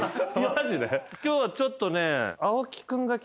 今日はちょっとね。